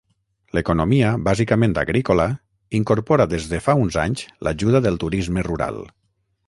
L'economia, bàsicament agrícola, incorpora des de fa uns anys l'ajuda del turisme rural.